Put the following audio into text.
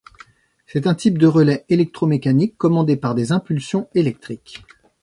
C'est un type de relais électromécanique commandé par des impulsions électriques.